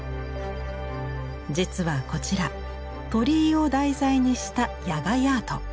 実はこちら鳥居を題材にした野外アート。